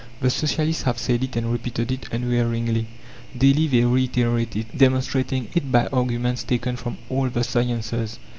The Socialists have said it and repeated it unwearyingly. Daily they reiterate it, demonstrating it by arguments taken from all the sciences.